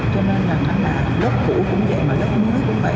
cho nên là lớp cũ cũng vậy mà lớp mới cũng vậy